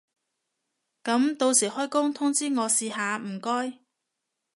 噉到時開工通知我試下唔該